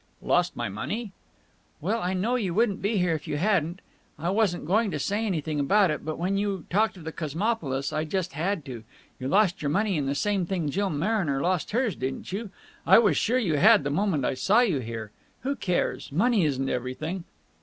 "Lost my money?" "Well, I know you wouldn't be here if you hadn't. I wasn't going to say anything about it, but, when you talked of the Cosmopolis, I just had to. You lost your money in the same thing Jill Mariner lost hers, didn't you? I was sure you had, the moment I saw you here. Who cares? Money isn't everything!"